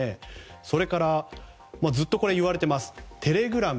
それから、ずっといわれていますテレグラム。